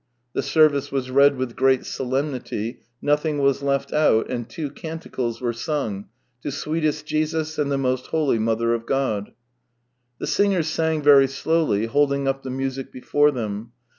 The service was read with great solemnity; nothing was left out and two canticles were sung — to sweetest Jesus and the most Holy Mother of God. The singers sang very slowly, holding up the music before them.